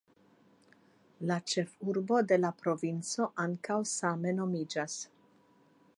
La ĉefurbo de la provinco ankaŭ same nomiĝas.